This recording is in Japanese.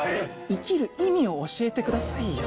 生きる意味を教えてくださいよ。